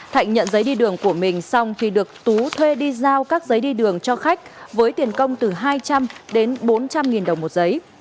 thạnh nhận giấy đi đường của mình xong khi được tú thuê đi giao các giấy đi đường cho khách với tiền công từ hai trăm linh đến bốn trăm linh nghìn đồng một giấy